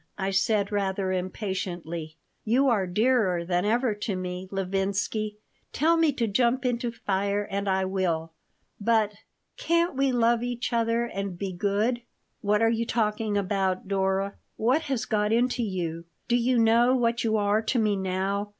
I said, rather impatiently. "You are dearer than ever to me, Levinsky. Tell me to jump into fire, and I will. But can't we love each other and be good?" "What are you talking about, Dora? What has got into you? Do you know what you are to me now?"